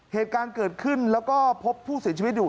เหตุการณ์เกิดขึ้นแล้วก็พบผู้เสียชีวิตอยู่